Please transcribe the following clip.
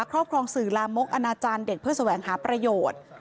ครอบครองสื่อลามกอนาจารย์เด็กเพื่อแสวงหาประโยชน์